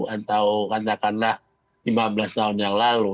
atau kata kata lima belas tahun yang lalu